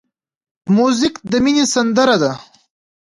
موزیک د مینې سندره ده.